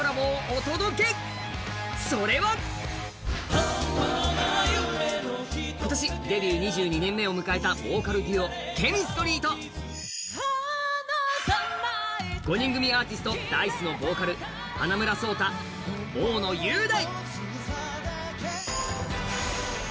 最高の渇きにＤＲＹ今年デビュー２２年目を迎えたボーカルデュオ、ＣＨＥＭＩＳＴＲＹと５人組アーティスト、Ｄａ−ｉＣＥのボーカル、花村想太、大野雄大。